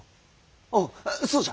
おうそうじゃ！